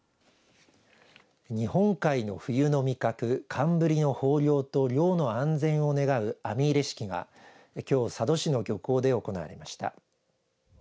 日本海の冬の味覚寒ブリの豊漁と漁の安全を願う網入れ式がきょう佐渡市の漁港で行われました。